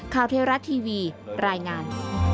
ข้าวเทวรัตน์ทีวีรายงาน